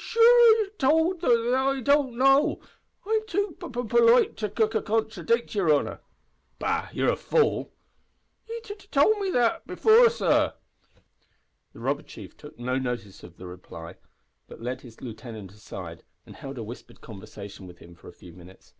"Sh shure yer towld me th that I d d don't know, an I'm too p p purlite to c contradic' yer honour." "Bah! you're a fool." "Ye t t towld me that before, sor." The robber chief took no notice of the reply, but led his lieutenant aside and held a whispered conversation with him for a few minutes.